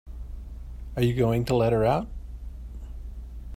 Are you going to let her out?